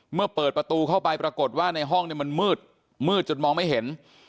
เมื่อเปิดประตูเข้าไปปรากฏว่าในห้องมันมืดมืดจนมองไม่เห็น